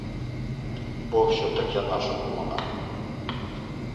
Бо що таке наша комуна?